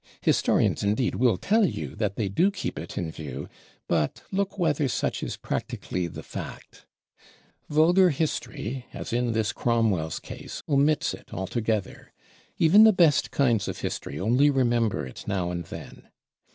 Historians indeed will tell you that they do keep it in view; but look whether such is practically the fact! Vulgar History, as in this Cromwell's case, omits it altogether; even the best kinds of History only remember it now and then.